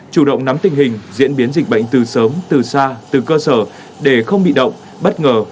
chủ động nắm tình hình diễn biến dịch bệnh từ sớm từ xa từ cơ sở để không bị động bất ngờ